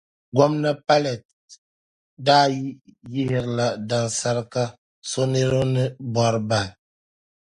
Gomna Pailɛt daa yi yihirila dansarika so niriba ni bɔri bahi.